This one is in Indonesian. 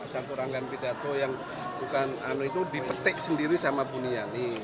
satu rangkaian pidato yang bukan dipetik sendiri sama buniani